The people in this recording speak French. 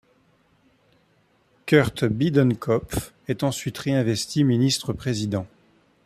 Kurt Biedenkopf est ensuite réinvesti ministre-président.